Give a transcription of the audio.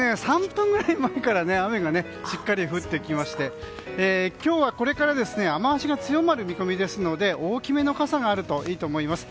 ３分ぐらい前から雨がしっかり降ってきまして今日はこれから雨脚が強まる見込みですので大きめの傘があるといいと思います。